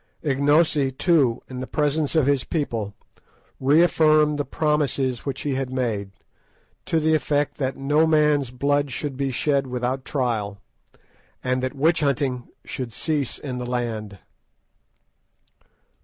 Ignosi, too, in the presence of his people, reaffirmed the promises which he had made, to the effect that no man's blood should be shed without trial, and that witch hunting should cease in the land.